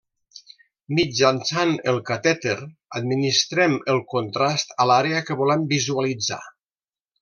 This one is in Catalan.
Mitjançant el catèter administrem el contrast a l'àrea que volem visualitzar.